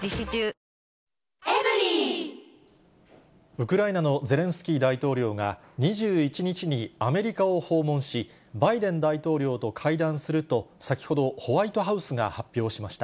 ウクライナのゼレンスキー大統領が、２１日にアメリカを訪問し、バイデン大統領と会談すると、先ほどホワイトハウスが発表しました。